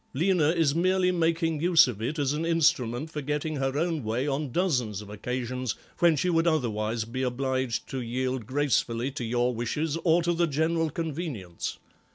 Lena is merely making use of it as an instrument for getting her own way on dozens of occasions when she would otherwise be obliged to yield gracefully to your wishes or to the general convenience.